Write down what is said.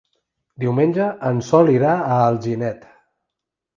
Diumenge en Sol irà a Alginet.